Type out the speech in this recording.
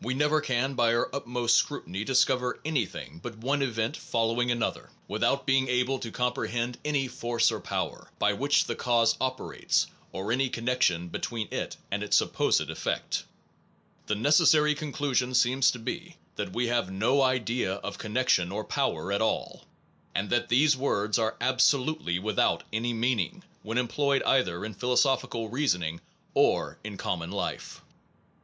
We never can by our utmost scrutiny discover anything 196 NOVELTY AND CAUSATION but one event following another; without being able to comprehend any force or power, by which the cause operates, or any connection between it and its supposed effect. ... The necessary conclusion seems to be that we have no idea of connection or power at all, and that these words are absolutely without any mean ing, when employed either in philosophical reasonings or in common life.